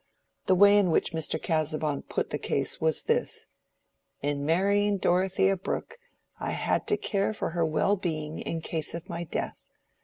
The way in which Mr. Casaubon put the case was this:—"In marrying Dorothea Brooke I had to care for her well being in case of my death.